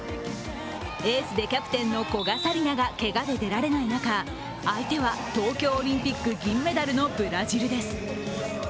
エースでキャプテンの古賀紗理那がけがで出られない中、相手は東京オリンピック銀メダルのブラジルです。